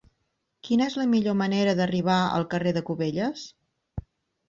Quina és la millor manera d'arribar al carrer de Cubelles?